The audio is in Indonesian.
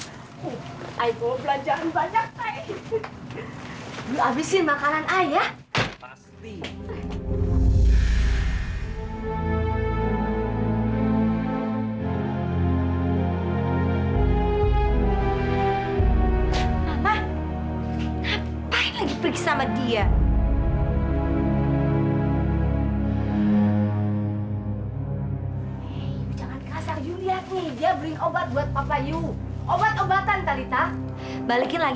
saya belanjaan banyak shay